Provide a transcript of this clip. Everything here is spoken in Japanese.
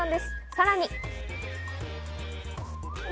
さらに。